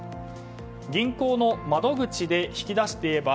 銀行の窓口で引き出せば。